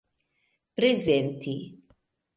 prezenti